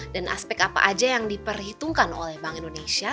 dan aspek apa aja yang diperhitungkan oleh bank indonesia